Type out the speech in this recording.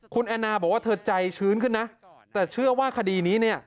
คุณแอนนาบอกว่าเธอใจชื้นขึ้นนะแต่เชื่อว่าคดีนี้เนี่ย